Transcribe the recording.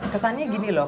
kesannya gini loh